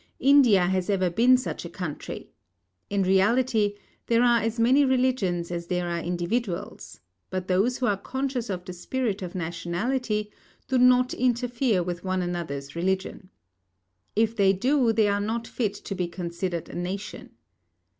India has ever been such a country. In reality, there are as many religions as there are individuals, but those who are conscious of the spirit of nationality do not interfere with one another's religion. If they do, they are not fit to be considered a nation.